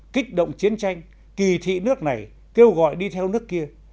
kích động chiến tranh kỳ thị nước này kêu gọi đi theo nước kia